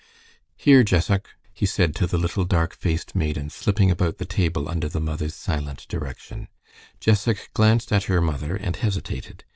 "Here, Jessac," he said to the little dark faced maiden slipping about the table under the mother's silent direction. Jessac glanced at her mother and hesitated.